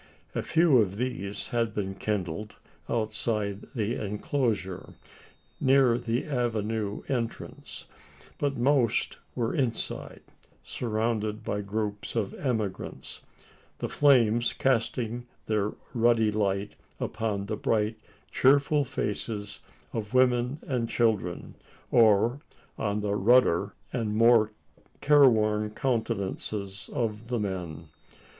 A few of these had been kindled outside the enclosure near the avenue entrance; but most were inside, surrounded by groups of emigrants the flames casting their ruddy light upon the bright cheerful faces of women and children, or on the ruder and more careworn countenances of the men.